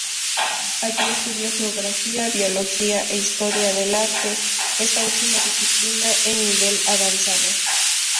Allí estudió Geografía, Biología e Historia del Arte, esta última disciplina en nivel avanzado.